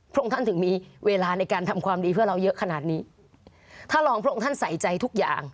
พระองค์ท่านถึงมีเวลาในการทำความดีเพื่อเราเยอะขนาดนี้ถ้ารองพระองค์ท่านใส่ใจทุกอย่าง